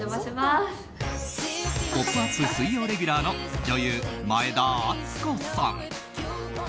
「ポップＵＰ！」水曜レギュラーの女優、前田敦子さん。